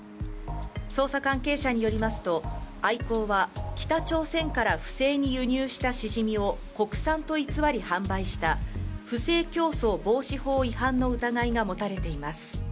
捜査関係者によりますとアイコーは北朝鮮から不正に輸入したしじみを国産と偽り販売した不正競争防止法違反の疑いが持たれています。